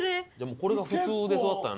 これが普通で育ったんやな。